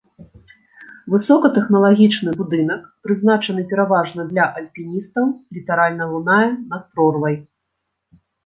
Высокатэхналагічны будынак, прызначаны пераважна для альпіністаў, літаральна лунае над прорвай.